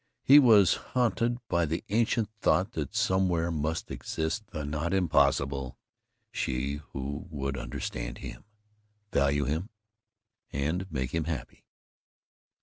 He was hunted by the ancient thought that somewhere must exist the not impossible she who would understand him, value him, and make him happy.